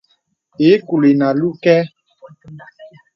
Ìì kùlì nə̀ àlū kɛ̄.